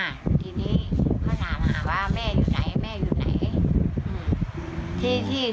ทีนี้เขาถามหาว่าแม่อยู่ไหนแม่อยู่ไหน